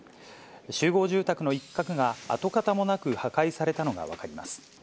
集合住宅の一角が跡形もなく破壊されたのが分かります。